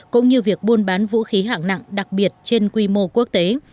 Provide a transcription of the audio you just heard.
cũng như việc buôn bán vũ khí hạng nặng đặc biệt trên quy mô quốc tế